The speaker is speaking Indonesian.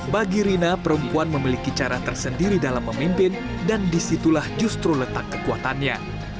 bagi rina perempuan memiliki cara tersendiri dalam memimpin dan disitulah justru letak kekuatannya